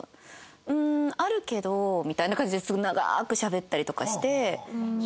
「うんあるけど」みたいな感じですごく長く喋ったりとかして。